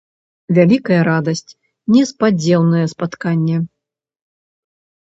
Вялікая радасць, неспадзеўнае спатканне.